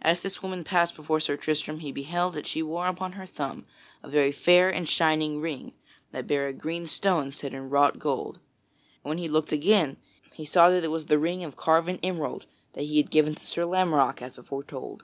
As this woman passed before Sir Tristram, he beheld that she wore upon her thumb a very fair and shining ring, that bare a green stone set in wrought gold. And when he looked again he saw it was that ring of carven emerald that he had given to Sir Lamorack as aforetold.